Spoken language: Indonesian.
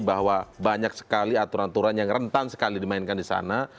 bahwa banyak sekali aturan aturan yang rentan sekali dimainkan di sana